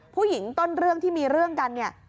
ผู้หญิงต้นเรื่องที่มีเรื่องกัน